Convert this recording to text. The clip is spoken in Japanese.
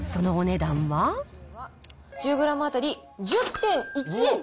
１０グラム当たり１０．１円。